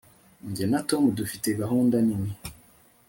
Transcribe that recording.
jye na tom dufite gahunda nini